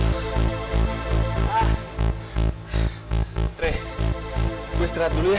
karena ada tante di sini ya